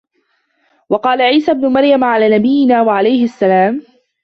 وَقَالَ عِيسَى ابْنُ مَرْيَمَ عَلَى نَبِيِّنَا وَعَلَيْهِ السَّلَامُ